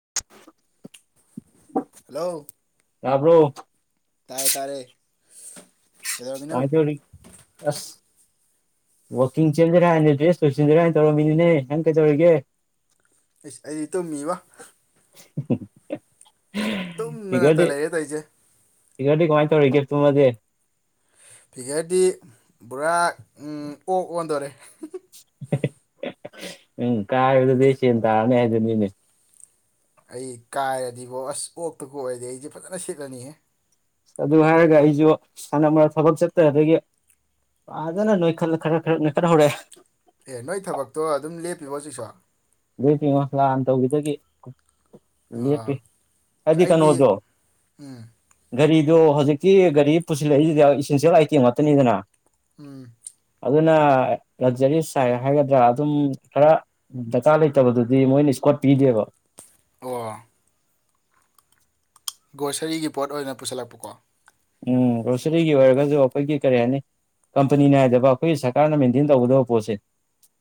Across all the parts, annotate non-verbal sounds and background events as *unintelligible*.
*inaudible* hello ꯌꯥꯕ꯭ꯔꯣ ꯇꯔ ꯇꯔꯦ ꯄꯥꯏꯊꯧꯔꯤ ꯑꯁ ꯋꯥꯛꯀꯤꯡ ꯆꯦꯟꯁꯤꯔꯥ ꯍꯥꯏꯅ ꯗ꯭ꯔꯦꯁ ꯂꯣꯏꯁꯤꯟꯖꯔꯥꯅ ꯇꯧꯔꯝꯃꯤꯅꯤꯅꯦ ꯅꯪ ꯀꯩꯗꯧꯔꯤꯒꯦ ꯑꯩꯁ ꯑꯩꯗꯤ ꯇꯨꯝꯃꯤꯕ *inaudible* ꯇꯨꯝꯗꯅꯠꯇ ꯐꯤꯒꯔꯗꯤ ꯂꯩꯌꯦꯦ ꯇꯧꯁꯦ ꯀꯧꯔꯤꯒꯐꯇꯨꯃꯗꯤ ꯐꯤꯒꯔꯗꯤ ꯄꯨꯔꯥ ꯑꯣꯛ ꯑꯣꯟꯗꯣꯔꯦ ꯎꯝ ꯀꯗꯗꯁꯤ ꯇꯥꯅꯦꯦ ꯍꯥꯏꯗꯅꯤꯅꯦ ꯑꯩ ꯀꯥꯏꯔꯗꯤꯕꯣ ꯑꯁ ꯑꯣꯛꯇꯀ ꯑꯣꯏꯔꯗꯤ ꯑꯩꯁꯦ ꯐꯖꯅ ꯁꯤꯠꯂꯅꯤꯍꯦ ꯑꯗꯨ ꯍꯥꯏꯔꯒ ꯑꯩꯁꯨ ꯁꯥꯟꯅ ꯊꯕꯛ ꯆꯠꯇꯗꯒꯤ ꯐꯖꯅꯣꯏꯠ ꯈꯔ ꯈꯔ ꯅꯣꯏꯈꯠꯍꯧꯔꯛꯑꯦ ꯑꯦ ꯅꯣꯏ ꯊꯕꯛꯇꯣ ꯑꯗꯨꯝ ꯂꯦꯞꯄꯤꯕꯣ ꯍꯧꯖꯤꯛꯁꯨ ꯑꯗꯨ ꯄ ꯃꯁꯂꯥꯟꯅ ꯇꯧꯈꯤꯗꯒꯦ ꯑꯥ ꯄꯤ ꯑꯁ ꯀꯗꯤ ꯑꯩꯗꯤ ꯀꯩꯅꯣꯗꯣ ꯎꯝ ꯒꯥꯔꯤꯗꯨꯣ ꯍꯧꯖꯤꯛꯀꯤ ꯒꯥꯔꯤ ꯄꯨꯁꯤꯜꯂꯛꯏꯁꯤꯗ ꯏꯁꯦꯟꯁꯤꯌꯦꯜ ꯑꯥꯏꯇꯦꯝ ꯉꯥꯛꯇꯅꯤꯗꯅ ꯎꯝ ꯑꯗꯨꯅ ꯂꯛꯖꯔꯤ ꯁꯥꯏ ꯍꯥꯏꯒꯗ꯭ꯔꯥ ꯑꯗꯨꯝ ꯈꯔ ꯆꯥꯛꯆꯥ ꯂꯩꯇꯕꯗꯨꯗꯤ ꯃꯣꯏꯅ ꯏꯁꯀꯣꯠ ꯄꯤꯗꯦꯕ ꯑꯣ ꯒ꯭ꯔꯣꯁꯔꯤꯒꯤ ꯄꯣꯠ ꯑꯣꯏꯅ ꯄꯨꯁꯤꯜꯂꯛꯄꯀꯣ ꯎꯝ ꯒ꯭ꯔꯣꯁꯔꯤꯒꯤ ꯑꯣꯏꯔꯒꯁꯨ ꯑꯩꯈꯣꯏꯒꯤ ꯀꯔꯤ ꯍꯥꯏꯅꯤ ꯀꯝꯄꯅꯤ ꯅꯥꯏꯗꯕ ꯑꯩꯈꯣꯏꯒꯤ ꯁꯔꯀꯥꯔꯅ ꯃꯦꯟꯇꯦꯟ ꯇꯧꯒꯗꯕ ꯄꯣꯠꯁꯦ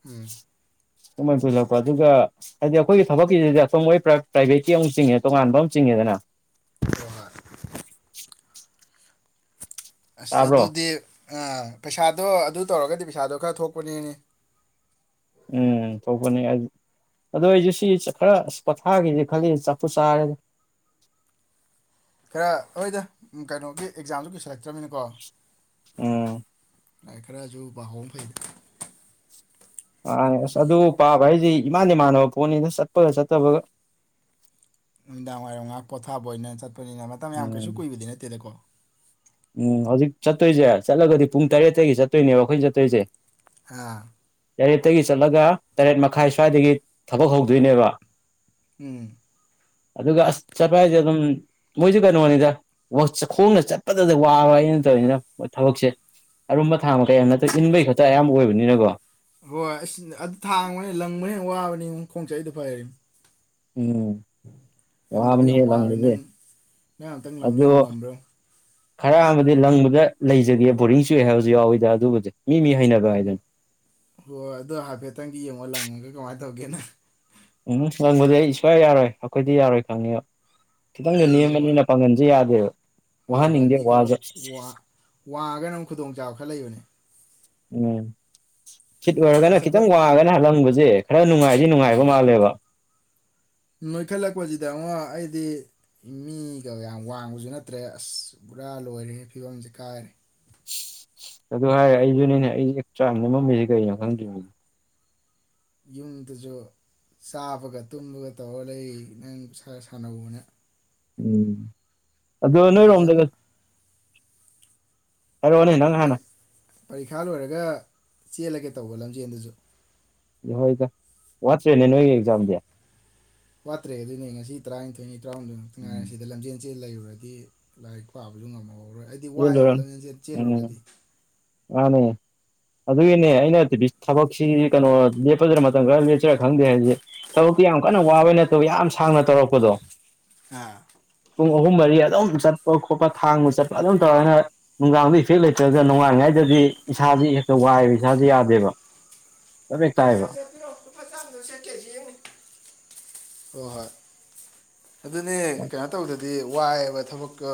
ꯎꯝ ꯑꯗꯨꯃꯥꯏꯅ ꯄꯨꯜꯂꯛꯄ ꯑꯗꯨꯒ ꯍꯥꯏꯗꯤ ꯑꯩꯈꯣꯏꯒꯤ ꯊꯕꯛꯀꯤꯁꯤꯗꯤ ꯑꯁꯝꯕꯣꯏ ꯄ꯭ꯔꯥꯏꯚꯦꯠꯀꯤ ꯑꯃꯨꯛ ꯆꯤꯡꯉꯦ ꯇꯣꯉꯥꯟꯕ ꯑꯃ ꯆꯤꯡꯉꯦꯗꯅ ꯍꯔ *inaudible* ꯑꯁ ꯇꯥꯕ꯭ꯔꯣ ꯑꯗꯨꯗꯤ ꯄꯩꯁꯥꯗꯣ ꯑꯗꯨ ꯇꯧꯔꯒꯗꯤ ꯄꯩꯁꯥꯗꯣ ꯈꯔ ꯊꯣꯛꯄꯅꯦꯅꯦ ꯎꯝ ꯊꯣꯛꯄꯅꯦ ꯑꯗꯨꯗꯣ ꯑꯩꯁꯨ ꯁꯤ ꯈꯔ ꯑꯁ ꯄꯣꯊꯥꯈꯤꯁꯦ ꯈꯜꯂꯤ ꯆꯐꯨ ꯆꯥꯔꯦꯗ ꯈꯔ ꯑꯩꯣꯏꯗ ꯀꯩꯅꯣꯒꯤ ꯑꯦꯛꯖꯥꯝꯗꯨ ꯀꯩꯁꯤꯜꯂꯛꯇ꯭ꯔꯃꯤꯅꯀꯣ ꯎꯝ ꯂꯥꯏꯔꯤꯛ ꯈꯔꯁꯨ ꯄꯥꯍꯣꯡ ꯑꯃ ꯐꯩ ꯑ ꯑꯁ ꯑꯗꯨ ꯄꯥꯕ ꯍꯥꯏꯁꯤ ꯏꯃꯥꯟ ꯏꯃꯥꯟꯅꯕ ꯄꯣꯠꯅꯤꯅ ꯆꯠꯄꯒ ꯆꯠꯇꯕꯒ ꯗꯥꯡꯉꯥꯏꯔꯉꯒ ꯄꯣꯊꯥꯕ ꯑꯣꯏꯅꯅ ꯆ ꯄꯅꯤꯅ ꯃꯇꯝ ꯌꯥꯝ ꯀꯩꯁꯨ ꯎꯝ ꯀꯨꯏꯕꯗꯤ ꯅꯠꯇꯦꯗꯀꯣ ꯎꯝ ꯍꯧꯖꯤꯛ ꯆꯠꯇꯣꯏꯁꯦ ꯆꯠꯂꯒꯗꯤ ꯄꯨꯡ ꯇꯔꯦꯠꯇꯒꯤ ꯆꯠꯇꯣꯏꯅꯦꯕ ꯑꯩꯈꯣꯏꯅ ꯆꯠꯇꯣꯏꯁꯦ ꯑ ꯌꯥꯔꯦꯠꯇꯒꯤ ꯆꯠꯂꯒ ꯇꯔꯦꯠ ꯃꯈꯥꯏ ꯁ꯭ꯋꯥꯏꯗꯒꯤ ꯊꯕꯛ ꯍꯧꯗꯣꯏꯅꯦꯕ ꯎꯝ ꯑꯗꯨꯒ ꯑꯁ ꯆꯠꯄ ꯍꯥꯏꯁꯦ ꯑꯗꯨꯝ ꯃꯣꯏꯁꯨ ꯀꯩꯅꯣꯅꯤꯗ ꯈꯣꯡꯅ ꯆꯠ ꯐꯠꯇꯗ ꯋꯥꯕ ꯑꯩꯅ ꯇꯧꯅꯤꯅꯣꯏ ꯊꯕꯛꯁꯦ ꯑꯔꯨꯝꯕ ꯊꯥꯕ ꯀꯌꯥ ꯅꯠꯇ ꯏꯟꯕꯒꯤ ꯈꯛꯇ ꯑꯌꯥꯝꯕ ꯑꯣꯏꯕꯅꯤꯅꯀꯣ ꯍꯣꯏ ꯑꯁ ꯑꯗꯨ ꯊꯥꯡꯕꯅꯦ ꯂꯪꯕꯅꯦ ꯋꯥꯕꯅꯤꯨꯡ ꯈꯣꯡꯆꯠ ꯑꯩꯗꯣ ꯐꯩ ꯍꯥꯏꯔꯤ ꯎꯝ ꯂꯪꯕꯗꯨꯣ ꯌꯥꯝ ꯋꯥꯕꯅꯤꯍꯦ ꯋꯥꯔꯦ ꯂꯪꯕꯁꯦ ꯅꯪ ꯅꯪ ꯉꯍꯥꯛꯇꯪ ꯑꯗꯣ ꯂꯪꯅꯤꯡꯕ ꯉꯝꯕ꯭ꯔꯣ ꯈꯔ ꯑꯃꯗꯤꯗꯤ ꯂꯪꯕꯗ ꯂꯩꯖꯗꯦ ꯕꯣꯔꯤꯡ ꯆꯨꯏꯑꯦ ꯍꯥꯏꯕꯁꯨ ꯌꯥꯎꯋꯤꯗ ꯑꯗꯨꯕꯨꯗꯤ ꯃꯤ ꯃꯤ ꯍꯩꯅꯕ ꯍꯥꯏꯗꯨꯅꯤ ꯍꯣꯏꯣꯏ ꯑꯗꯣ ꯍꯥꯏꯐꯦꯠꯇꯪꯒꯤ ꯌꯦꯡꯉꯣ ꯂꯪꯉꯒ ꯀꯃꯥꯏ ꯇꯧꯒꯦꯅ ꯎꯝ ꯅꯪꯕꯗꯤ ꯑꯩ ꯁꯨꯡꯋꯥ ꯌꯥꯔꯣꯏ ꯑꯩꯈꯣꯏꯗꯤ ꯌꯥꯔꯣꯏ ꯈꯪꯉꯤꯕ ꯈꯤꯇꯪꯁꯨ ꯑꯩ ꯋꯥ ꯅꯦꯝꯕꯅꯤꯅ ꯄꯪꯍꯟꯁꯨ ꯌꯥꯗꯦꯕ ꯍꯣꯏ ꯍꯣꯏ ꯋꯥꯍꯟꯅꯤꯡꯗꯦ ꯃꯤ ꯈꯔ ꯋꯥꯁꯦ ꯋꯥꯡꯉꯒꯅꯛ ꯈꯨꯗꯣꯡꯆꯥꯥꯕ ꯈꯔ ꯂꯩꯕꯅꯦ ꯎꯝ ꯁꯤꯤꯠ ꯑꯣꯏꯔꯒꯅ ꯑꯁ ꯑꯩꯈꯣꯏ ꯈꯈꯤꯝꯒꯧꯒꯅ ꯍꯜꯂꯝ ꯌꯦꯦ ꯈꯔ ꯅꯨꯡꯉꯥꯏꯁꯤ ꯅꯨꯡꯉꯥꯏꯕ ꯎꯝ ꯃꯥꯜꯂꯦꯕ ꯅꯣꯏꯈꯠꯂꯛꯄꯁꯤꯗ ꯑꯃꯨꯛ ꯑꯩꯗꯤ ꯃꯤꯒ ꯌꯥꯝ ꯋꯥꯡꯕꯁꯨ ꯅꯠꯇ꯭ꯔꯦ ꯑꯁ ꯄꯨꯔꯥ ꯂꯣꯏꯔꯦ ꯐꯤꯕꯝꯁꯦ ꯀꯥꯏꯔꯦ ꯑꯗꯨ ꯍꯥꯏꯔꯦ ꯑꯩꯁꯨꯅꯦꯅꯦ ꯑꯩ ꯆꯥꯅꯦ ꯃꯝꯃꯤꯁꯤꯦ ꯀꯩꯅꯣ ꯈꯪꯗ꯭ꯔꯤ ꯌꯨꯝꯗꯁꯨ ꯆꯥꯕꯒ ꯇꯨꯝꯕꯒ ꯇꯧꯔ ꯂꯩ ꯅꯪ ꯁꯥꯟꯅꯅꯕꯅ ꯎꯝ ꯑ ꯑꯣꯅꯔꯣꯝꯗꯒ ꯑꯦꯛꯖꯥꯝ ꯀꯔꯣꯅꯦ ꯅꯪ ꯍꯥꯏꯅ ꯀꯔꯤ ꯄꯔꯤꯈꯥ ꯂꯣꯏꯔꯒ ꯆꯦꯜꯂꯒꯦ ꯇꯧꯕ ꯂꯝꯖꯦꯟꯗꯨꯁꯨ ꯏꯍꯣꯏꯗ ꯋꯥꯠꯇ꯭ꯔꯦꯅꯦ ꯅꯣꯏꯒꯤ ꯑꯦꯛꯖꯥꯝꯗꯤ ꯋꯥꯠꯇ꯭ꯔꯦ ꯑꯗꯨꯗꯤꯅꯦ ꯉꯁꯤ ꯇꯔꯥꯅꯤꯊꯣꯏꯅꯤ ꯆꯅꯨꯡꯥꯏ ꯁꯤꯗ ꯂꯝꯖꯦꯟ ꯆꯦ ꯂꯩꯔꯨꯔꯗꯤ ꯂꯥꯏꯔꯤꯛ ꯄꯥꯕꯁꯨ ꯉꯝꯃꯧꯔꯣꯏ ꯍꯥꯏꯗꯤ ꯋꯥꯏꯑꯦꯕ ꯂꯣꯏꯔꯝ ꯂꯝꯖꯦꯟꯁꯦꯜ ꯎꯝ ꯆꯦꯜꯂꯨꯔꯒꯗꯤ ꯃꯥꯅꯦ ꯑꯗꯨꯒꯤꯅꯦ ꯑꯩꯅꯗꯤ ꯊꯕꯛꯁꯤ ꯀꯩꯅꯣ ꯂꯦꯞꯄꯗꯨꯅ ꯃꯇꯝ ꯈꯔ ꯂꯦꯞꯆꯔꯥ ꯈꯪꯗꯦ ꯍꯥꯏꯁꯦ ꯊꯕꯛꯇꯤ ꯌꯥꯝ ꯀꯟꯅ ꯋꯥꯕ ꯅꯠꯇꯧ ꯌꯥꯝ ꯁꯥꯡꯅ ꯇꯧꯔꯛꯄꯗꯣ ꯑ ꯄꯨꯡ ꯑꯍꯨꯝ ꯃꯔꯤ ꯑꯗꯨꯝ ꯆꯠꯄ ꯈꯣꯠꯄ ꯊꯥꯡꯕ ꯆꯠꯄ ꯑꯗꯨꯝ ꯇꯧꯔꯒ ꯅꯨꯡꯗꯥꯡꯗ ꯏꯐꯦꯛ ꯂꯩꯇ꯭ꯔꯒ ꯅꯨꯡꯉꯥꯏꯉꯥꯏ ꯁꯤꯗꯗꯤ ꯏꯁꯥꯥꯁ‌ꯦ ꯍꯦꯛꯇ ꯋꯥꯏꯕ ꯏꯁꯥꯁ ꯌꯥꯗꯦꯕ ꯆꯞ ꯍꯦꯛ ꯇꯥꯏꯕ ꯁꯦ ꯁꯦ ꯄꯤꯔꯛ ꯑꯣ ꯍ ꯍꯣꯏ ꯑꯗꯨꯅꯦ ꯀꯩꯅꯣ ꯇꯧꯗꯗꯤ ꯍꯥꯏ ꯋꯥꯏꯕ ꯊꯕꯛꯀ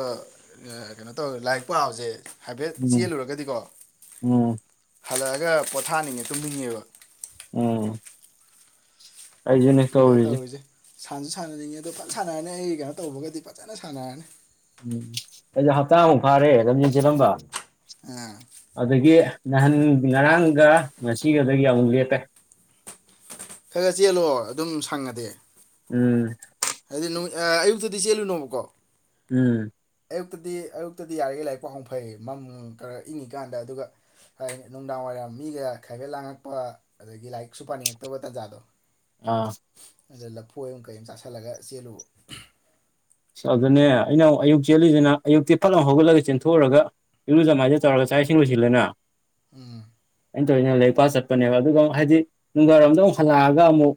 ꯀꯩꯅꯣ ꯇꯧꯔꯦ ꯂꯥꯏꯔꯤꯛ ꯄꯥꯕꯁꯦ ꯍꯥꯏꯐꯦꯠ ꯎꯝ ꯆꯦꯜꯂꯨꯔꯒꯗꯤꯀꯣ ꯎꯝ ꯍꯜꯂꯛꯑꯒ ꯄꯣꯊꯥꯅꯤꯡꯉꯦ ꯇꯨꯝꯅꯤꯡꯉꯦꯕ ꯎꯝ ꯑꯩꯁꯦꯅꯦ ꯇꯧꯔꯤꯁꯦ ꯁꯥꯟꯁꯨ ꯁꯥꯟꯅꯅꯤꯡꯉꯦ ꯑꯗꯣ ꯐꯖ ꯁꯥꯟꯅꯔꯅꯤ ꯑꯩꯒꯤ ꯀꯩꯅꯣ ꯇꯧꯕꯒꯗꯤ ꯐꯖꯅ ꯁꯥꯟꯅꯔꯅꯤ ꯍꯥꯞꯇꯥ ꯃꯨꯛ ꯐꯥꯔꯦ ꯂꯝꯖꯦꯜ ꯆꯦꯜꯂꯝꯝꯕ ꯑꯥ ꯈꯔ ꯑꯗꯒꯤ ꯅꯍꯥꯟ ꯉꯔꯥꯡꯒ ꯉꯁꯤꯒꯗꯒꯤ ꯑꯃꯨꯛ ꯂꯦꯞꯄꯦ ꯈꯔ ꯈꯔ ꯆꯦꯜꯂꯣ ꯑꯗꯨꯝ ꯁꯪꯉꯗꯤ ꯎꯝ ꯍꯥꯏꯗꯤ ꯑꯌꯨꯛꯇꯗꯤ ꯆꯦꯜꯂꯨꯅꯣꯕꯀꯣ ꯎꯝ ꯑꯌꯨꯛꯇꯗꯤ ꯑꯌꯨꯛꯇꯗꯤ ꯌꯥꯔꯤꯒꯩ ꯂꯥꯏꯔꯤꯛ ꯄꯥꯍꯧ ꯐꯩ ꯃꯝ ꯈꯔ ꯏꯪꯉꯤꯀꯥꯟꯗ ꯑꯗꯨꯒ ꯍꯥꯏ ꯅꯨꯡꯗꯥꯡꯋꯥꯏꯔꯝ ꯃꯤꯒ ꯈꯥꯏꯕꯦꯠ ꯂꯥꯡꯉꯛꯄ ꯑꯗꯒꯤ ꯂꯥꯏꯔꯤꯛ ꯁꯁꯨ ꯄꯥꯅꯤꯡꯉꯛꯇꯕ ꯇꯥꯟꯖꯥꯗꯣ ꯑꯥ ꯑꯗ ꯂꯐꯣꯏ ꯑꯃ ꯀꯔꯤ ꯑꯃꯝ ꯆꯥꯁꯤꯜꯂꯒ ꯆꯦꯜꯂꯨꯕ ꯑꯁ ꯑꯗꯨꯅꯦ ꯑꯩꯅ ꯑꯃꯛ ꯑꯌꯨꯛ ꯆꯦꯜꯂꯤꯁꯤꯅ ꯑꯌꯨꯛꯇꯤ ꯐꯠꯂꯥꯎ ꯍꯧꯒꯠꯂꯒ ꯆꯦꯟꯊꯣꯛꯎꯔꯒ ꯏꯂꯨꯖ ꯃꯥꯏꯊ ꯇꯧꯔꯒ ꯆꯥꯛ ꯁꯤꯡ ꯂ‌ꯣꯏꯁꯤꯜꯂꯦꯅ ꯎꯝ ꯀꯩꯅꯣ ꯇ ꯏꯩꯅ ꯂꯩ ꯄꯆꯠ ꯆꯠꯄꯅꯦꯕ ꯑꯗꯨꯒ ꯑꯃꯨꯛ ꯍꯥꯏꯗꯤ ꯅꯨꯡꯗꯥꯡꯔꯣꯝꯗ ꯑꯃꯨꯛ ꯍꯜꯂꯛꯑꯒ ꯑꯃꯨꯛ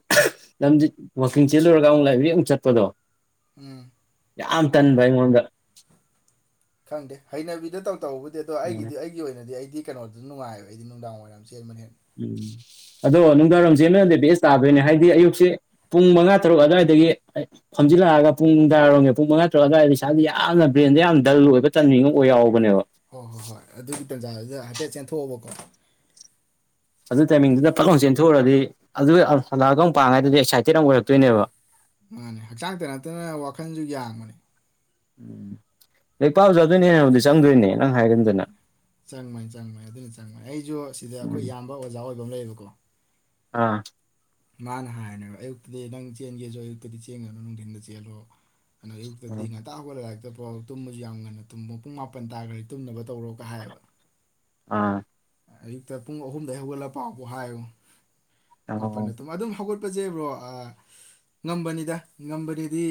ꯂꯝ ꯋꯥꯛꯀꯤꯡ ꯆꯦꯜꯂꯨꯔꯒ ꯑꯃꯨꯛ ꯂꯥꯏꯕ꯭ꯔꯦꯔꯤ ꯑꯃꯨꯛ ꯆꯠꯄꯗꯣ ꯎꯝ ꯌꯥꯝ ꯇꯟꯕ ꯑꯩꯉꯣꯟꯗ ꯈꯪꯗ‌ꯦ ꯍꯩꯅꯕꯤꯗ ꯇꯧ ꯇꯧꯕꯗꯤ ꯑꯗꯣ ꯎꯝ ꯑꯩꯒꯤꯗꯤ ꯑꯩꯒꯤ ꯑꯣꯏꯅꯗꯤ ꯑꯩꯗꯤ ꯀꯩꯅꯣꯗꯨꯁꯨ ꯅꯨꯡꯉꯥꯏꯕ ꯑꯩꯗꯤ ꯅꯨꯡꯗꯥꯡ ꯋꯥꯏꯝ ꯆꯦꯟꯕꯅꯦ ꯎꯝ ꯑꯗꯣ ꯅꯨꯡꯗꯥꯡꯔꯣꯝ ꯆꯦꯟ ꯅꯔꯗꯤ ꯕꯦꯁ ꯇꯥꯗꯣꯏꯅꯦ ꯍꯥꯏꯗꯤ ꯑꯌꯨꯛꯁꯦ ꯄꯨꯡ ꯃꯉꯥ ꯇꯔꯨꯛ ꯑꯗꯨꯋꯥꯏꯗꯒꯤ ꯐꯝꯖꯤꯜꯂꯛꯑꯒ ꯄꯨꯡ ꯅꯨꯡꯗꯥꯏꯔꯣꯝꯒꯤ ꯄꯨꯡ ꯃꯉꯥ ꯇꯔꯨꯛ ꯑꯗꯨꯋꯥꯏꯗ ꯏꯁꯥꯒꯤ ꯌꯥꯝꯅ ꯕ꯭ꯔꯦꯟꯗ ꯌꯥꯝꯅ ꯗꯜ ꯑꯣꯏꯕ ꯇꯥꯏꯃꯤꯡ ꯑꯃ ꯑꯣꯏ ꯌꯥꯎꯕ ꯍꯣꯏ ꯍꯣꯏ ꯍꯣꯏ ꯑꯗꯨ ꯇꯥꯟꯖꯥꯗꯨꯗ ꯍꯥꯏꯐꯦꯠ ꯆꯦꯟꯊꯣꯛꯑꯣꯕꯀꯣ ꯑꯗꯨ ꯇꯥꯏꯃꯤꯡꯗꯨꯗ ꯄꯠ ꯂꯥꯎ ꯆꯦꯟꯊꯣꯛꯎꯔꯥꯗꯤ ꯑꯗꯨ ꯍꯜꯂꯥꯛꯒ ꯄꯥꯡꯉꯥꯏꯗꯨꯗꯤ ꯑꯦꯛꯁꯥꯏꯇꯦꯠ ꯑꯃ ꯑꯣꯏꯔꯛꯇꯣꯏꯅꯦꯕ ꯃꯥꯅꯦ ꯍꯛꯆꯥꯡꯇ ꯅꯠꯇꯅ ꯋꯥꯈꯜꯁꯨ ꯌꯥꯡꯕꯅꯤ ꯎꯝ ꯂꯩ ꯄꯥꯎ ꯑꯗꯨꯅ ꯍꯦꯟꯅꯕꯨꯗꯤ ꯆꯪꯗꯣꯏꯅꯦ ꯅꯪ ꯍꯥꯏꯒꯨꯝꯗꯅ ꯆꯪ ꯕꯅꯤ ꯆꯪ ꯕꯥꯅꯤ ꯑꯗꯨꯅꯤ ꯆꯪ ꯃꯅꯤ ꯑꯩ ꯁꯨꯨ ꯁꯤꯗ ꯑꯩꯈꯣꯏ ꯌꯥꯝꯕ ꯑꯣꯖꯥ ꯑꯣꯏ ꯂꯝ ꯂꯩꯌꯦꯕꯀꯣ ꯑꯥ ꯃꯥꯅ ꯍꯥꯏꯔꯅꯦꯕ ꯑꯌꯨꯛꯇꯗꯤ ꯅꯪ ꯆꯦꯟꯒꯦꯁꯨ ꯑꯌꯨꯛꯇꯗꯤ ꯆꯦꯟꯒꯅꯨ ꯅꯨꯡꯊꯤꯟꯗ ꯆꯦꯜꯂꯣ ꯀꯩꯅ ꯏꯛꯇꯗꯤ ꯉꯉꯇ ꯍꯧꯕꯒ ꯂꯥꯛꯇ ꯑꯣ ꯇꯨꯝꯕꯁꯨ ꯌꯥꯝ ꯉꯟꯅ ꯇꯨꯝꯃꯣ ꯄꯨꯡ ꯃꯥꯄꯟ ꯇꯥꯈ꯭ꯔꯗꯤ ꯇꯨꯝꯅꯕ ꯇꯧꯔꯣꯒ ꯍꯥꯏꯌꯦꯕ ꯑꯝ ꯑꯌꯨꯛꯇ ꯄꯨꯡ ꯑꯍꯨꯝꯗꯒꯤ ꯍꯧꯒꯠꯂꯄꯥꯎꯕ ꯍꯥꯏꯌꯨ ꯃꯥꯄꯟ ꯑꯣ ꯑꯗꯨ ꯑꯗꯨꯝ ꯍꯧꯒꯠꯄ ꯆꯠꯄꯖꯦꯕ꯭ꯔꯣ ꯉꯝꯕꯅꯤꯗ ꯉꯝꯕꯅꯤꯗꯤ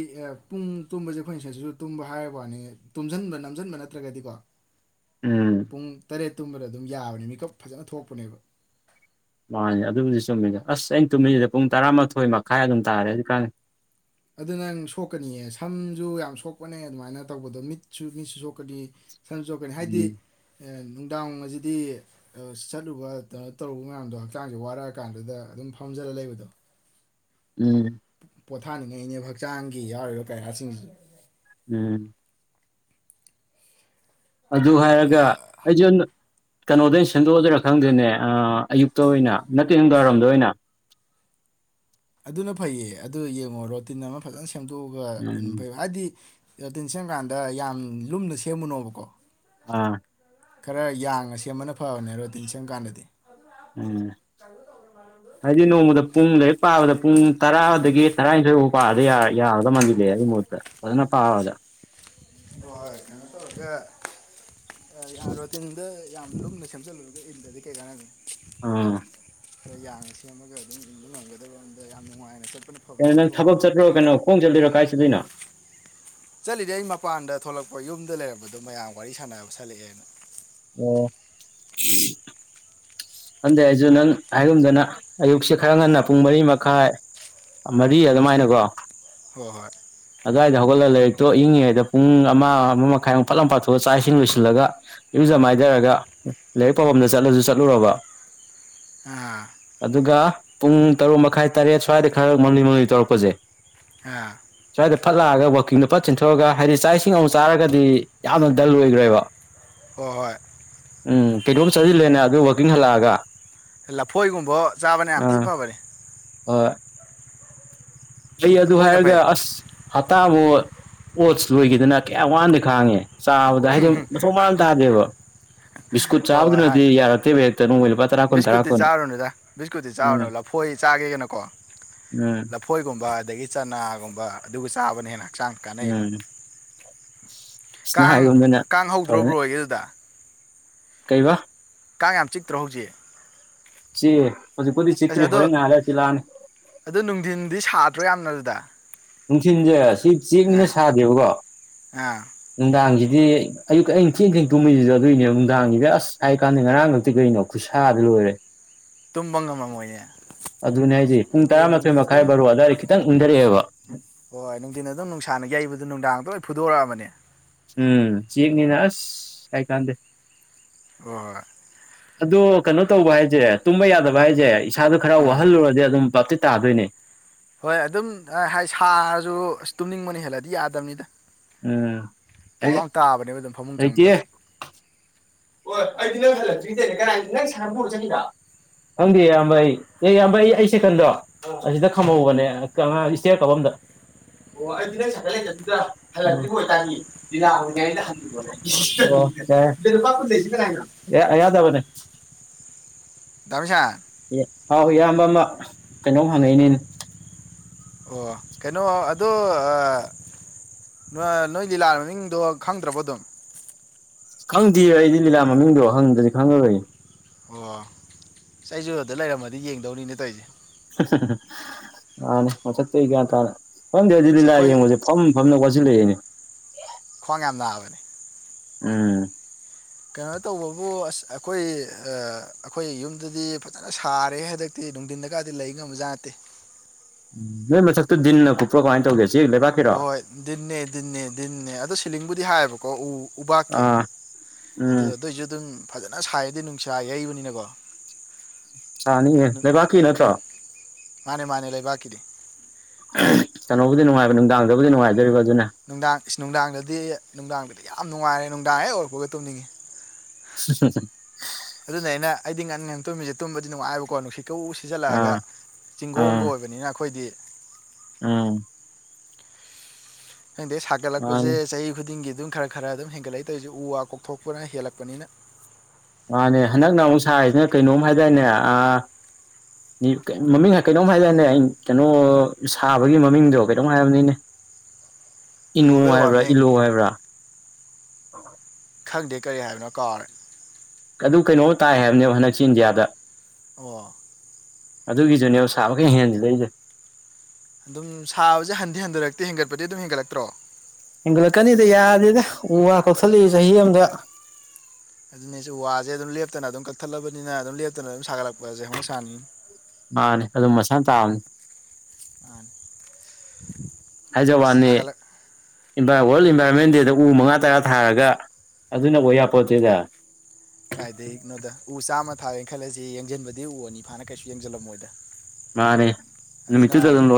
ꯄꯨꯡ ꯇꯨꯝꯕꯁꯦ ꯑꯩꯈꯣꯏ ꯉ ꯁꯁꯨ ꯇꯨꯝꯕ ꯍꯥꯏꯔꯕ ꯋꯥꯅꯤ ꯇꯨꯝꯁꯤꯟꯕ ꯅꯝꯁꯤꯟꯕ ꯅꯠꯇ꯭ꯔꯒꯗꯤꯀꯣ ꯎꯝ ꯄꯨꯡ ꯇꯔꯦꯠ ꯇꯨꯝꯕꯗ ꯑꯗꯨꯝ ꯌꯥꯕꯅꯦ ꯃꯤꯀꯞ ꯐꯖꯅ ꯊꯣꯛꯄꯅꯦꯕ ꯃꯥꯅꯦ ꯑꯗꯨꯕꯨꯗꯤ ꯆꯨꯝꯃꯤꯅꯦ ꯑꯁ ꯑꯩꯅ ꯇꯨꯝꯃꯤꯁꯤꯗ ꯄꯨꯡ ꯇꯔꯥꯃꯥꯊꯣꯏ ꯃꯈꯥꯏ ꯑꯗꯨꯝ ꯇꯥꯔꯦ ꯍꯧꯖꯤꯛꯀꯥꯟꯅꯤ ꯑꯗꯨ ꯅꯪ ꯁꯣꯛꯀꯅꯤꯑ ꯁꯝꯁꯨ ꯌꯥꯝ ꯁꯣꯛꯄꯅꯦ ꯑꯗꯨꯃꯥꯏꯅ ꯇꯧꯕꯗꯣ ꯃꯤꯠꯁꯨ ꯃꯤꯠꯁꯨ ꯁꯣꯛꯀꯅꯤ ꯁꯟ ꯆꯣꯛꯀꯅꯤ ꯍꯥꯏꯗꯤ ꯎꯝ ꯅꯨꯡꯗꯥꯡ ꯑꯁꯤꯗꯤ ꯆꯠꯂꯨꯕ ꯀꯩꯅꯣ ꯇꯧꯔꯨꯕ ꯃꯌꯥꯝꯗꯣ ꯍꯛꯆꯥꯡꯁꯦ ꯋꯥꯔꯛꯑꯀꯥꯟꯗꯨꯗ ꯑꯗꯨꯝ ꯐꯝꯖꯔ ꯂꯩꯕꯗꯣ ꯎꯝ ꯄꯣꯊꯥꯅꯤꯡꯉꯛꯅꯦꯕ ꯍꯛꯆꯥꯡꯒꯤ ꯌꯥꯎꯔꯤꯕ ꯀꯌꯥꯁꯤꯡꯁ ꯎꯝ ꯑꯗꯨ ꯍꯥꯏꯔꯒ ꯑꯩꯁꯨ ꯀꯩꯅꯣꯗꯩꯅ ꯁꯦꯝꯗꯣꯛꯑꯗꯣꯏꯔꯥ ꯈꯪꯗꯦꯅꯦ ꯑꯌꯨꯛꯇ ꯑꯣꯏꯅ ꯅꯠꯇꯦꯗꯥꯋꯥꯏꯔꯝꯗ ꯑꯣꯏꯅ ꯑꯗꯨꯅ ꯐꯩꯌꯦ ꯑꯗꯨ ꯌꯦꯡꯉꯣ ꯔꯣꯇꯤꯟ ꯑꯃ ꯐꯖꯅ ꯁꯦꯝꯗꯣꯛꯑꯒ ꯎꯝ ꯏꯟꯕ ꯍꯥꯏꯗꯤ ꯔꯇꯤꯟ ꯁꯦꯝꯀꯥꯟꯗ ꯌꯥꯝ ꯂꯨꯝꯅ ꯁꯦꯝꯕꯅꯣꯕꯀꯣ ꯑꯥ ꯈꯔ ꯌꯥꯡꯉ ꯁꯦꯝꯕꯅ ꯐꯕꯅꯦ ꯔꯣꯇꯤꯟ ꯁꯦꯝꯕ ꯀꯥꯟꯗꯗꯤ ꯎꯝ ꯍꯥꯏꯗꯤ ꯅꯣꯡꯃꯗ ꯄꯨꯡ ꯂꯩ ꯄꯥꯕꯗ ꯄꯨꯡ ꯇꯔꯥꯗꯒꯤ ꯇꯔꯥꯅꯤꯊꯣꯏꯐꯨ ꯄꯥ ꯌꯥꯒꯗ ꯃꯥꯜꯂꯦ ꯑꯗꯨꯒꯤ ꯃꯍꯨꯠꯇ ꯐꯖꯅ ꯄꯥꯕꯗ ꯍꯣꯏ ꯀꯩꯅꯣꯦ ꯑꯔꯇꯗꯤ ꯌꯥꯝꯅ ꯂꯨꯝꯅ ꯁꯦꯝꯖꯤꯜꯂꯨꯔꯒ ꯏꯟꯗꯗꯤ ꯀꯩ ꯀꯥꯟꯅꯅꯤ ꯑꯥ ꯈꯔ ꯌꯥꯡꯅ ꯁꯦꯝꯃꯒ ꯑꯗꯨꯝ ꯏꯟꯕ ꯉꯝꯒꯗꯕ ꯑꯗ ꯌꯥꯝ ꯅꯨꯡꯉꯥꯏꯅ ꯆꯠꯄ ꯀꯩꯅꯣ ꯅꯪ ꯊꯕꯛ ꯆꯠꯇ꯭ꯔꯣ ꯀꯩꯅꯣ ꯀꯣꯡ ꯆꯠꯂꯤꯣꯏꯔꯣ ꯀꯥꯏꯁꯤꯗꯣꯏꯅꯣ ꯆꯠꯂꯤꯗꯤ ꯑꯩ ꯃꯄꯥꯟꯗ ꯊꯣꯛꯂꯛꯄ ꯌꯨꯝꯗ ꯂꯩꯔꯝꯕꯗꯣ ꯃꯌꯥꯝ ꯋꯥꯔꯤ ꯁꯥꯟꯅꯕ ꯁꯠꯂꯛꯑꯦꯅ ꯑꯣ ꯍꯪꯗꯦ ꯑꯩꯁꯨ ꯅꯪ ꯍꯥꯏꯔꯨꯝꯗꯅ ꯑꯌꯨꯛꯁꯦ ꯈꯔ ꯉꯟꯅ ꯄꯨꯡ ꯃꯔꯤ ꯃꯈꯥꯏ ꯃꯔꯤ ꯑꯗꯨꯃꯥꯏꯅꯀꯣ ꯍꯣꯏ ꯍꯣꯏ ꯑꯗꯗꯤꯒ ꯂꯩ ꯑ ꯇꯣ ꯑꯏꯛꯉꯩꯗ ꯄꯨꯡ ꯑꯃ ꯑꯃ ꯃꯈꯥꯏꯃꯨꯛ ꯄꯠꯂꯝ ꯄꯥꯠꯊꯑ ꯆ ꯏꯁꯤꯟ ꯂꯣꯏꯁꯤꯜꯂꯒ ꯏꯨꯖꯝ ꯃꯥꯏꯊꯔꯒ ꯂꯥꯏꯔꯤꯛ ꯄꯥꯐꯝꯗ ꯆꯠꯂꯁꯨ ꯆꯠꯂꯨꯔꯕ ꯑꯥ ꯑꯗꯨꯒ ꯄꯨꯡ ꯇꯔꯨꯛ ꯃꯈꯥꯏ ꯇꯔꯦꯠ ꯁ꯭ꯋꯥꯏꯗ ꯈꯔ ꯃꯅꯤ ꯃꯅꯤ ꯇꯧꯔꯛꯄꯁꯦ ꯍꯥ ꯁ꯭ꯋꯥꯏꯗ ꯐꯠ ꯂꯥꯛꯑꯒ ꯋꯥꯛꯀꯤꯡꯗꯣ ꯐꯠ ꯆꯤꯟꯊꯣꯛꯑꯒ ꯍꯥꯏꯗꯤ ꯆꯥꯛ ꯏꯁꯤꯡ ꯑꯃꯨꯛ ꯆꯥꯔꯒꯗꯤ ꯌꯥꯝꯅ ꯗꯜ ꯑꯣꯏꯈ꯭ꯔꯦꯕ ꯍꯣ ꯍꯣꯏ ꯎꯝ ꯀꯩꯅꯣꯝ ꯆꯥꯖꯤꯜꯂꯦꯅ ꯑꯗꯨꯒ ꯋꯥꯛꯀꯤꯡ ꯍꯜꯂꯛꯑꯒ ꯒꯥ ꯂꯐꯣꯏꯒꯨꯝꯕ ꯆꯥꯕꯅ ꯌꯥꯝ ꯊꯤ ꯐꯕꯅꯦ ꯍꯣꯏ ꯑꯩ ꯑꯗꯨ ꯂꯐꯣꯏꯅ ꯍꯥꯏꯔꯒ ꯐꯩ ꯑꯁ ꯍꯞꯇꯥ ꯃꯨꯛ ꯑꯣꯠꯁ ꯂꯣꯏꯈꯤꯗꯅ ꯀꯌꯥꯝ ꯋꯥꯟꯗꯤ ꯈꯥꯡꯉꯦ ꯆꯥꯕꯗ ꯍꯥꯏꯗꯤ ꯃꯊꯣꯡ ꯃꯔꯝ ꯇꯥꯗꯦꯕ ꯕꯤꯁꯀꯨꯠ ꯍꯣꯏ ꯍꯣꯏ ꯆꯥꯕꯗꯨꯅꯗꯤ ꯍꯥꯟꯅ ꯌꯥꯔꯛꯇꯦꯕ ꯍꯦꯛꯇ ꯅꯣꯡꯃꯩ ꯂꯨꯄꯥ ꯇꯔꯥ ꯀꯨꯟ ꯇꯔꯥ ꯕꯤꯁꯀꯨꯠꯇꯤ ꯀꯨꯟ ꯆꯥꯔꯨꯅꯨꯗ ꯕꯤꯁꯀꯨꯠꯇꯤ ꯆꯥꯔꯨꯅꯨ ꯎꯝ ꯂꯐꯣꯏ ꯎꯝ ꯒꯨꯝꯕ ꯑꯗꯒꯤ ꯆꯅꯥꯒꯨꯝꯕ ꯑꯗꯨꯒ ꯆꯥꯕꯅ ꯍꯦꯟꯅ ꯍꯛꯆꯥꯡꯗ ꯀꯥꯟꯅꯩꯕ ꯎꯝ ꯁꯅ ꯀꯥꯡ ꯍꯥꯏꯒꯨꯝꯗꯅ ꯀꯥꯡ ꯍꯧꯗ꯭ꯔꯣ ꯐꯔꯅꯤ ꯕ꯭ꯔꯣ ꯑꯣꯏꯒꯦꯗꯨꯗ ꯀꯩꯕ ꯀꯥꯡ ꯌꯥꯝ ꯆꯤꯛꯇ꯭ꯔꯣ ꯍꯧꯖꯤꯛ ꯆꯤꯛꯑꯦ ꯍꯧꯖꯤꯛꯄꯨꯗꯤ ꯑꯁ ꯆꯤꯛꯇ꯭ꯔꯤ ꯑꯗꯣ ꯍꯣꯔꯦꯟ ꯉꯥꯏꯍꯥꯛ ꯂꯩꯔꯥ ꯆꯤꯛ ꯂꯛ ꯑꯅꯤ ꯗ꯭ꯔꯣ ꯌꯥꯝꯅ ꯑꯗꯨꯗ ꯅꯨꯡꯊꯤꯟꯖꯦ ꯆꯦꯛꯅꯤꯅ ꯑꯥ ꯁꯥꯗꯦꯕꯀꯣ ꯑꯥ ꯅꯨꯡꯗꯥꯡꯁꯤ ꯗꯤ ꯑꯌꯨꯛ ꯑꯩꯅ ꯊꯦꯡ ꯊꯦꯡ ꯇꯨꯝꯃꯤꯁꯤꯗ ꯑꯗꯨꯣꯏꯅꯦꯕ ꯅꯨꯡꯗꯥꯡꯒꯤꯗꯤ ꯑꯁ ꯍꯥꯏ ꯀꯥꯟꯗ ꯉꯔꯥꯡ ꯅꯛꯇꯤ ꯀꯩꯅꯣ ꯈꯨꯠꯁꯥꯗ ꯂꯣꯏꯔꯦ ꯇꯨꯝꯕ ꯉꯝꯃꯝꯃꯣꯏꯅꯦ ꯑꯗꯨꯅꯦ ꯍꯥꯏꯁ ꯄꯨꯡ ꯍꯥꯏꯗꯤ ꯇꯔꯥꯃꯥꯊꯣꯏ ꯅꯨꯡꯊꯤꯟ ꯃꯈꯥꯏ ꯑꯗꯨꯝ ꯕꯥꯔꯨ ꯑꯗꯨꯋꯥꯏꯗ ꯈꯤꯇꯪ ꯏꯟꯊꯔꯛꯑꯦꯕ ꯍꯣꯏ ꯅꯨꯡꯊꯤꯟ ꯑꯗꯨꯝ ꯅꯨꯡꯁꯥꯟꯅꯈꯤ ꯌꯩꯕꯗꯨ ꯅꯨꯡꯗꯥꯡꯗ ꯂꯣꯏ ꯐꯨꯗꯣꯔꯛꯑꯕꯅꯦ ꯎꯝ ꯆꯕꯅꯤꯅꯁ ꯍꯥꯏ ꯀꯥꯟꯗ ꯑꯣ ꯑꯗꯣ ꯀꯩꯅꯣ ꯇꯧꯕ ꯍꯥꯏꯁꯦ ꯇꯨꯝꯕ ꯌꯥꯗꯕ ꯍꯥꯏꯁꯦ ꯏꯁꯥꯗꯨꯣ ꯈꯔ ꯍꯣꯏ ꯑꯥ ꯋꯥꯍꯜꯂꯨꯔꯗꯤ ꯑꯗꯨꯝ ꯚꯞꯇꯤ ꯇꯥꯗꯣꯏꯅꯦ ꯍꯣꯏ ꯑꯗꯨꯝ ꯁꯥꯔꯁꯨ ꯇꯨꯝꯅꯤꯡꯕꯅꯤ ꯍꯦꯜꯂꯗꯤ ꯌꯥꯗꯕꯅꯤꯗ ꯎꯝ ꯄꯣꯞ ꯂꯥꯎ ꯇꯥꯕꯅꯦꯕ ꯑꯗꯨꯝ ꯐꯃꯨꯡ ꯑꯩꯗꯤ ꯆꯪꯕꯒ ꯍ ꯑꯩ ꯈꯪꯗꯦ ꯏꯌꯥꯝꯕ ꯑꯩ ꯑꯦ ꯏꯌꯥꯝꯕꯩ ꯑꯩ ꯁꯦꯀꯟꯗꯣ ꯑꯁꯤꯗ ꯈꯝꯍꯧꯕꯅꯦꯉꯥꯡ ꯏꯁꯇꯦ ꯀ ꯑꯝꯗ ꯌꯥꯗꯕꯅꯦ ꯗꯃꯤꯁꯥ ꯍꯥꯎ ꯏꯌꯥꯝꯕ ꯑꯃ ꯀꯩꯅꯣꯝ ꯍꯪꯉꯛꯏꯅꯦ ꯑꯣ ꯀꯩꯅꯣ ꯑꯗ ꯅꯣꯏ ꯂꯤꯂꯥ ꯃꯃꯤꯡꯗꯣ ꯈꯪꯗ꯭ꯔꯕꯣ ꯑꯗꯨꯝ ꯈꯪꯗꯦꯕ ꯑꯩꯗꯤ ꯂꯤꯂꯥ ꯃꯃꯤꯡꯗꯣ ꯍꯪꯗ꯭ꯔꯗꯤ ꯈꯪꯉꯕꯅꯤ ꯆꯩꯖꯗ ꯂꯩꯔꯝꯃꯗꯤ ꯌꯦꯡꯗꯧꯅꯤꯅꯦ ꯇꯧꯔꯤꯁꯦ ꯑꯅꯤ ꯄ ꯆꯠ ꯀꯌꯥ ꯇꯥꯔꯦ ꯐꯝꯗꯦ ꯑꯗꯨꯗꯤ ꯂꯤ ꯑꯁ ꯂꯂꯥ ꯑꯩꯈꯣꯏ ꯌꯦꯡꯉꯁꯦ ꯐꯝ ꯐꯝꯅ ꯖꯨꯂꯩꯌꯦꯅꯦ ꯈ꯭ꯋꯥꯡ ꯌꯥꯝ ꯅꯥꯕꯅꯦ ꯎꯝ ꯀꯩꯅꯣ ꯇꯧꯕꯕꯨ ꯑꯁ ꯑꯩꯈꯣꯏ ꯑꯥ ꯑꯩꯈꯣꯏ ꯌꯨꯝꯗꯨꯗꯤ ꯐꯖꯅ ꯁꯥꯔꯦꯍꯦ ꯍꯟꯗꯛꯇꯤ ꯅꯨꯡꯗꯤꯟꯗ ꯀꯗꯤ ꯂꯩ ꯉꯝꯝꯕꯖꯥꯠ ꯅꯠꯇꯦ ꯎꯝ ꯅꯣꯏ ꯃꯊꯥꯛꯇꯣ ꯗꯤꯟꯅ ꯀꯄ꯭ꯔꯣ ꯀꯃꯥꯏ ꯇꯧꯒꯦ ꯆꯦꯛ ꯂꯩꯕꯥꯛꯀꯤꯔꯣ ꯍꯣꯏ ꯗꯤꯟꯅꯦ ꯗꯤꯟꯅꯦ ꯗꯤꯟꯅꯦ ꯑꯗꯣ ꯁꯤꯂꯤꯡ ꯕꯨꯗꯤ ꯍꯥꯏꯕꯀꯣ ꯎ ꯎꯕꯥꯛꯀꯤ ꯑꯥ ꯑꯗꯨ ꯎꯝ ꯑꯗꯨꯏꯁꯨ ꯑꯗꯨꯝ ꯐꯖꯅ ꯁꯥꯏꯗꯤ ꯅꯨꯡꯁꯥ ꯌꯩꯕꯅꯤꯅꯀꯣ ꯆꯥꯅꯤꯌꯦ ꯂꯩꯕꯥꯛꯀꯤ ꯅꯠꯇ꯭ꯔꯣ ꯃꯥꯅꯦ ꯃꯥꯅꯦ ꯂꯩꯕꯥꯛꯀꯤꯗꯤ ꯆꯅꯧꯕꯕꯨꯗꯤ ꯅꯨꯡꯉꯕ ꯅꯨꯡꯗꯥꯡꯗꯕꯨꯗꯤ ꯅꯨꯡꯉꯥꯏꯗꯣꯔꯤꯕ ꯑꯗꯨꯅ ꯅꯨꯡꯗꯥꯡ ꯏꯁ ꯅꯨꯡꯗꯥꯡꯗꯗꯤ ꯅꯨꯡꯗꯥꯡꯗꯗꯤ ꯌꯥ ꯌꯥꯝ ꯅꯨꯡꯉꯥꯏꯔꯦ ꯅꯨꯡꯗꯥꯡ ꯍꯦꯛ ꯑꯣꯏꯔꯛꯄꯒ ꯇꯨꯝꯅꯤꯡꯉꯤ ꯑꯗꯨꯅꯦ ꯑꯩꯅ ꯑꯩꯗꯤ ꯉꯥꯟ ꯉꯥꯟ ꯇꯨꯝꯃꯤꯁꯦ ꯇꯨꯝꯕꯗꯤ ꯅꯨꯡꯉꯥꯏꯕꯀꯣ ꯅꯨꯡꯁꯤꯠ ꯀ ꯎ ꯁꯤꯖꯜꯂꯛꯑꯒ ꯑꯥ ꯆꯤꯡꯒꯣꯡꯒ ꯑꯥ ꯑꯣꯏꯕꯅꯤꯅ ꯑꯩꯈꯣꯏꯗꯤ ꯎꯝ ꯈꯗꯩ ꯃꯥꯅꯤ ꯁꯥꯒꯠꯂꯛꯄꯁꯦ ꯆꯍꯤ ꯈꯨꯗꯤꯡꯒꯤ ꯑꯗꯨꯝ ꯈꯔ ꯈꯔ ꯑꯗꯨꯝ ꯍꯦꯟꯒꯠꯂꯛꯏ ꯇꯧꯔꯤꯁꯦ ꯎ ꯋꯥ ꯀꯣꯛꯊꯣꯛꯄꯅ ꯍꯦꯜꯂꯛꯄꯅꯤꯅ ꯃꯥꯅꯦ ꯍꯟꯗꯛꯅ ꯑꯃꯨꯛ ꯁꯥꯔꯤꯁꯤꯅ ꯀꯩꯅꯣꯝ ꯍꯥꯏꯗꯥꯏꯅꯦ ꯑꯥ ꯃꯃꯤꯡ ꯀꯩꯅꯣꯝ ꯍꯥꯏꯗꯥꯏꯅꯦ ꯀꯩꯅꯣ ꯁꯥꯕꯒꯤ ꯃꯃꯤꯡꯗꯣ ꯀꯩꯅꯣꯝ ꯍꯥꯏꯔꯕꯅꯤꯅꯦ ꯏꯅꯣ ꯒ꯭ꯂꯣꯕꯦꯜ ꯍꯥꯏꯕ꯭ꯔꯥ ꯋꯥꯔꯃꯤꯡ ꯏꯜꯂꯣ ꯍꯥꯏꯕ꯭ꯔꯥ *unintelligible* ꯈꯪꯗꯦ ꯀꯔꯤ ꯍꯥꯏꯕꯅꯣ ꯀꯥꯎꯔꯦ ꯑꯗꯨ ꯀꯩꯅꯣꯝꯃꯥ ꯇꯥꯏ ꯍꯥꯏꯕꯅꯦꯕ ꯍꯟꯗꯛꯁꯤ ꯏꯟꯗꯤꯌꯥꯗ ꯑꯣ ꯑꯗꯨꯒꯤꯗꯨꯅꯦꯕ ꯁꯥꯕ ꯀꯥ ꯍꯦꯟꯖꯤꯜꯂꯛꯏꯁꯦ ꯑꯗꯨꯝ ꯁꯥꯕꯁꯦ ꯍꯟꯗꯤ ꯍꯟꯊꯔꯛꯇꯦ ꯍꯦꯟꯒꯠꯄꯗꯤ ꯑꯗꯨꯝ ꯍꯦꯟꯒꯠꯂꯛꯇ꯭ꯔꯣ ꯍꯦꯟꯒꯠꯂꯛꯀꯅꯤꯗ ꯌꯥꯗꯦꯗ ꯎ ꯋꯥ ꯀꯛꯊꯠꯂꯛꯏ ꯆꯍꯤ ꯑꯃꯗ ꯑꯗꯨꯅꯤꯁꯨ ꯋꯥꯁꯦ ꯑꯗꯨꯝ ꯂꯦꯞꯇꯅ ꯑꯗꯨꯝ ꯀꯛꯊꯠꯂꯕꯅꯤꯅ ꯑꯗꯨꯝ ꯂꯦꯞꯇꯅ ꯑꯗꯨꯝ ꯁꯥꯒꯠꯂꯛꯄ ꯄꯖꯦ ꯍꯥꯎꯅ ꯁꯅꯤ ꯃꯥꯅꯦ ꯑꯗꯨꯝ ꯃꯁꯥ ꯇꯥꯕꯅꯤ ꯃꯥꯅꯤ ꯍꯥꯏꯖ ꯋꯥꯅꯤ ꯁꯥꯒꯠꯂꯛ ꯏꯟꯚꯥꯏ ꯋꯥꯔꯜ ꯏꯟꯚꯥꯏꯔꯣꯟꯃꯦꯟ ꯗꯦꯗ ꯎ ꯃꯉꯥ ꯇꯔꯥ ꯊꯥꯔꯒ ꯑꯗꯨꯅ ꯑꯣꯏ ꯌꯥꯄꯣꯠꯇꯦꯗ ꯀꯥꯏꯗꯩꯛꯅꯣꯗ ꯎ ꯆꯥꯝꯃ ꯊꯥꯔꯦꯅ ꯈꯜꯂꯁꯤ ꯌꯦꯡꯖꯤꯟꯕꯗꯤ ꯎ ꯑꯅꯤ ꯐꯥꯅ ꯀꯩꯁꯨ ꯌꯦꯡꯖꯤꯜꯂꯝꯃꯣꯏꯗ ꯃꯥꯅꯦꯦ ꯑꯗꯨꯅꯥ ꯍꯤꯡ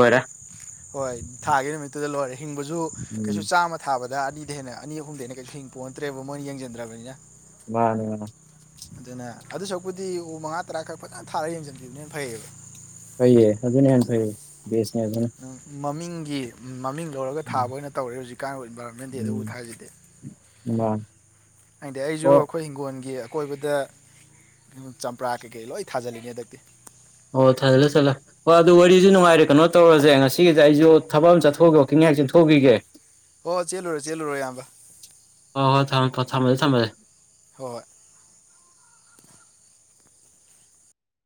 ꯍꯣꯏ ꯊꯥꯒꯤ ꯅꯨꯃꯤꯠꯇꯨꯗ ꯂꯣꯏꯔꯦ ꯍꯤꯡꯕꯁꯨ ꯀꯩꯁꯨ ꯎꯝ ꯆꯥꯝꯃ ꯊꯥꯕꯗ ꯗꯥ ꯑꯅꯤꯗꯩ ꯍꯦꯟꯅ ꯑꯅꯤ ꯑꯍꯨꯝꯗꯩ ꯍꯦꯟꯅ ꯀꯩꯁꯨꯛ ꯍꯤꯡ ꯄꯣꯟꯅꯠꯇ꯭ꯔꯦꯕ ꯃꯣꯏꯅ ꯌꯦꯡꯖꯟꯗ꯭ꯔꯕꯅꯤꯅ ꯃꯥꯅꯦ ꯑꯗꯨꯅ ꯑꯗꯨ ꯁꯛꯄꯨꯗꯤ ꯎ ꯃꯉꯥ ꯇꯔꯥꯈꯛ ꯐꯖꯅ ꯊꯥꯔꯒ ꯌꯦꯡꯁꯤꯟꯈꯤꯕꯅꯦꯅ ꯐꯩꯌꯦꯕ ꯐꯩꯌꯦ ꯑꯗꯨꯅ ꯍꯅ ꯐꯩꯌꯦ ꯁ ꯌꯥ ꯑꯗꯨꯅ ꯅꯪ ꯃꯃꯤꯡꯒꯤ ꯃꯃꯤꯡ ꯂꯧꯔꯒ ꯊꯥꯕ ꯑꯣꯏꯅ ꯇꯧꯔꯦ ꯍꯧꯖꯤꯛꯀꯥꯟꯕꯨ ꯏꯟꯚꯥꯏꯔꯣꯟꯃꯦꯟ ꯗꯦꯗꯕꯨ ꯊꯥꯖꯗꯦ ꯑ ꯍꯥꯏꯗꯤ ꯑꯩꯁꯨ ꯑꯩꯈꯣꯏ ꯍꯤꯡꯒꯣꯜꯒꯤ ꯑꯀꯣꯏꯕꯗ ꯆꯝꯄ꯭ꯔꯥ ꯀꯩꯀꯩ ꯂꯣꯏ ꯊꯥꯖꯤꯜꯂꯤꯅꯤ ꯍꯟꯗꯛꯇꯤ ꯑꯣ ꯊꯖꯜꯂ ꯊꯠꯂꯦ ꯍ ꯑꯗꯨ ꯋꯥꯔꯤꯁꯨ ꯅꯨꯡꯉꯥꯏꯔꯦ ꯀꯩꯅꯣ ꯇꯧꯔꯁꯦ ꯉꯁꯤꯒꯤꯁꯦ ꯑꯩꯁꯨ ꯊꯕꯛ ꯑꯃ ꯆꯠꯊꯣꯛꯒꯦꯍꯥꯛ ꯆꯠꯊꯣꯛꯈꯤꯒꯦ ꯍꯣꯏ ꯍꯣꯏ ꯆꯦꯜꯂꯨꯔꯦ ꯆꯦꯜꯂꯨꯔꯣ ꯑꯌꯥꯝꯕ ꯊꯝꯃꯖꯦ ꯊꯝꯝꯕꯂꯦ ꯍꯣꯏ